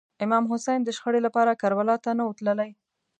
امام حسین د شخړې لپاره کربلا ته نه و تللی.